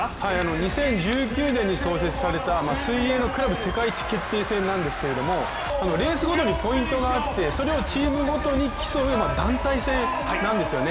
２０１９年に創設された水泳のクラブ世界一決定戦なんですけどレースごとにポイントがあってそれをチームごとに競う団体戦なんですよね。